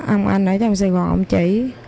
ông anh ở trong sài gòn ông chỉ